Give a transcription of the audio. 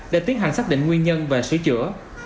để tiến hành xác định nguyên nhân và sửa chữa